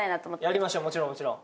やりましょうもちろんもちろん。